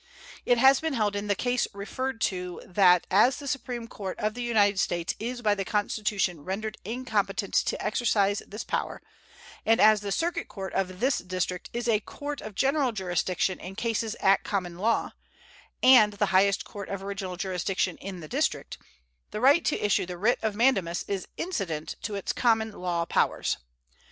It has been held in the case referred to that as the Supreme Court of the United States is by the Constitution rendered incompetent to exercise this power, and as the circuit court of this District is a court of general jurisdiction in cases at common law, and the highest court of original jurisdiction in the District, the right to issue the writ of mandamus is incident to its common law powers.